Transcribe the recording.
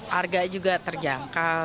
harga juga terjangkau